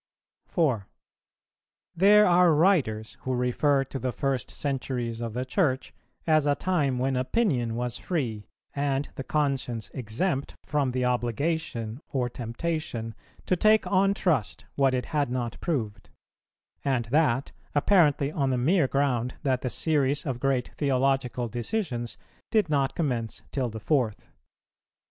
4. There are writers who refer to the first centuries of the Church as a time when opinion was free, and the conscience exempt from the obligation or temptation to take on trust what it had not proved; and that, apparently on the mere ground that the series of great theological decisions did not commence till the fourth.